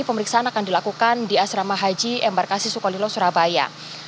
pemeriksaan akan dilakukan di asrama haji embarkasi sukolilo surabaya